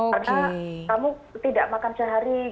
karena kamu tidak makan sehari